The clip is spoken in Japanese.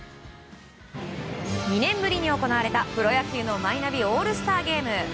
２年ぶりに行われたプロ野球のマイナビオールスターゲーム。